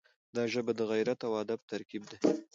دا ژبه د غیرت او ادب ترکیب دی.